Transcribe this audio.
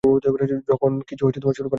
যখন কিছু শুরু করেন।